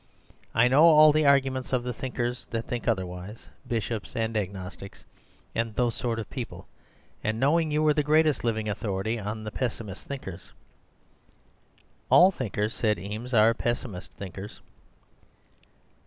I know all the arguments of the thinkers that think otherwise—bishops, and agnostics, and those sort of people. And knowing you were the greatest living authority on the pessimist thinkers—' "'All thinkers,' said Eames, 'are pessimist thinkers.